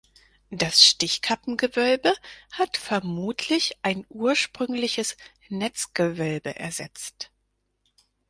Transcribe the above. Das Stichkappengewölbe hat vermutlich ein ursprüngliches Netzgewölbe ersetzt.